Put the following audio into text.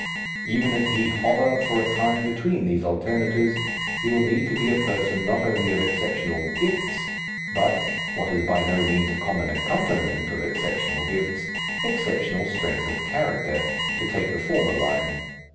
Even if he hover for a time between these alternatives, he will need to be a person not only of exceptional gifts, but what is by no means a common accompaniment of exceptional gifts, exceptional strength of character, to take the former line.